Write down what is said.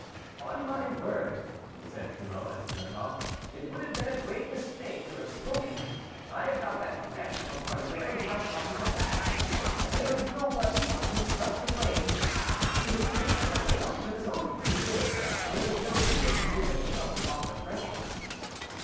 "On my word," said Trumeau, as he went off, "it would have been a great mistake to have spoken. I have got that wretch of a Quennebert into my clutches at last; and there is nobody but himself to blame. He is taking the plunge of his own free will, there is no need for me to shove him off the precipice."